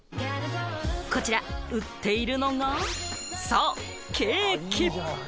こちら売っているのが、そう、ケーキ！